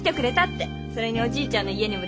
それにおじいちゃんの家にも電話くれたし。